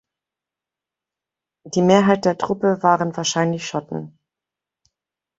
Die Mehrheit der Truppe waren wahrscheinlich Schotten.